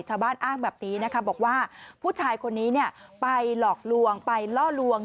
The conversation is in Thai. ชาวบ้านอ้างแบบนี้บอกว่าผู้ชายคนนี้ไปหลอกลวง